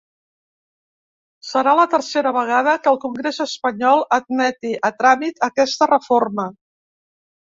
Serà la tercera vegada que el congrés espanyol admeti a tràmit aquesta reforma.